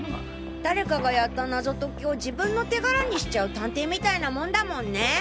誰かがやった謎解きを自分の手柄にしちゃう探偵みたいなもんだもんね。